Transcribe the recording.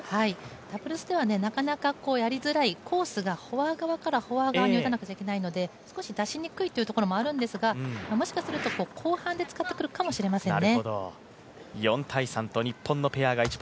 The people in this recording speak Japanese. ダブルスではなかなかやりづらい。コースがフォア側からフォア側に打たないといけないので少し出しにくいというところもあるんですがもしかすると、後半で使ってくるかもしれませんね。